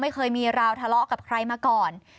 เคยมีราวทะเลาะกับใครมาก่อน